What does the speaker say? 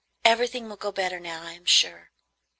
"Everything will go better now, I am sure."